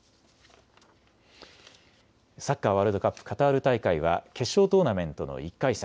サッカーワールドカップカタール大会は決勝トーナメントの１回戦。